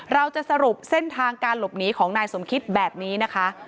เราจะสรุปเส้นทางการหลบหนีของนายสมคิดแบบนี้นะคะ